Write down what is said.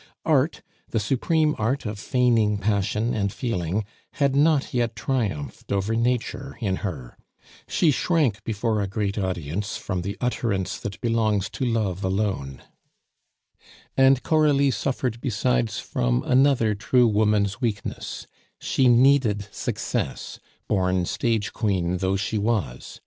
Art, the supreme art of feigning passion and feeling, had not yet triumphed over nature in her; she shrank before a great audience from the utterance that belongs to Love alone; and Coralie suffered besides from another true woman's weakness she needed success, born stage queen though she was.